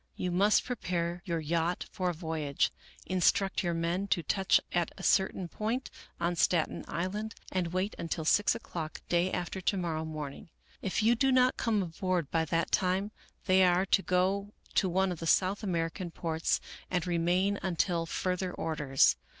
You must prepare your yacht for a voyage, instruct your men to touch at a certain point on Staten Island, and wait until six o'clock day after to morrow morning. If you do not come aboard by that time, they are to go to one of the South American ports and re main until further orders.